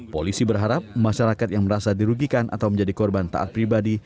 polisi berharap masyarakat yang merasa dirugikan atau menjadi korban taat pribadi